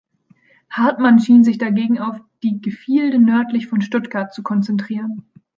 Hartmann schien sich dagegen auf die Gefilde nördlich von Stuttgart zu konzentrieren.